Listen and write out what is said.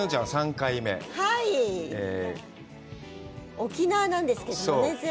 沖縄なんですけどね。